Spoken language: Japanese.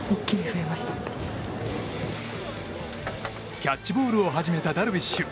キャッチボールを始めたダルビッシュ。